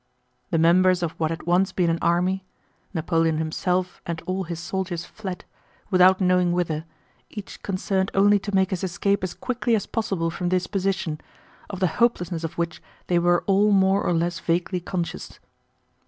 The members of what had once been an army—Napoleon himself and all his soldiers fled without knowing whither, each concerned only to make his escape as quickly as possible from this position, of the hopelessness of which they were all more or less vaguely conscious.